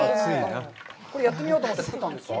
これ、やってみようと思って作ったんですか。